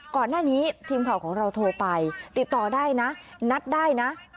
ก่อนหน้านี้ทีมข่าวของเราโทรไปติดต่อได้นะนัดได้นะ